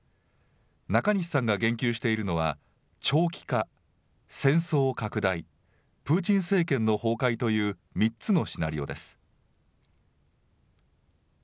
中西さんが言及しているのは、長期化、戦争拡大、プーチン政権の崩壊という、３つのシナリオです。